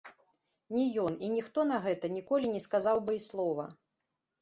Ні ён і ніхто на гэта ніколі не сказаў бы і слова.